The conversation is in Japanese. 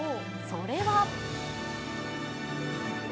それは。